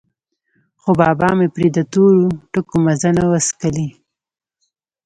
خو بابا مې پرې د تورو ټکو مزه نه وڅکلې.